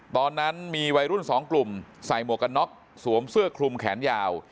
ตอนนั้นมีวัยรุ่นสองกลุ่มใส่หมวกกันน็อกสวมเสื้อคลุมแขนยาว